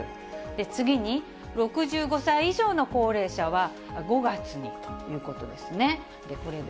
次に、６５歳以上の高齢者は５月にということですね。